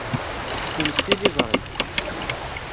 Ssens tiliẓri.